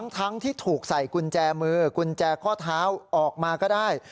ทั้งที่ถูกใส่กุญแจมือกุญแจข้อเท้าออกมาก็ได้